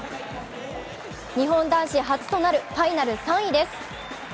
日本男子初となるファイナル３位です。